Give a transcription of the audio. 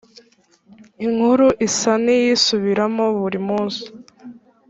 inkuru isa niyisubiramo buri munsi